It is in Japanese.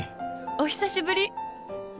お久しぶり。